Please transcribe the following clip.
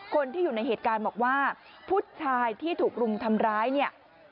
คนที่อยู่ในเหตุการณ์บอกว่าผู้ชายที่ถูกรุมทำร้ายเนี่ย